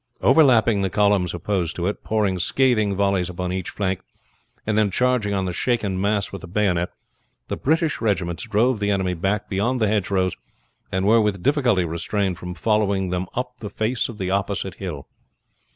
Overlapping the columns opposed to it, pouring scathing volleys upon each flank, and then charging on the shaken mass with the bayonet, the British regiments drove the enemy back beyond the hedgerows, and were with difficulty restrained from following them up the face of the opposite hill.